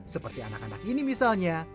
seperti anak anak ini misalnya